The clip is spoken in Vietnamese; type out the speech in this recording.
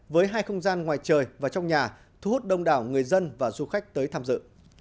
với hai không gian ngoài trời và trong nhà thu hút đông đảo người dân và du khách tới tham dự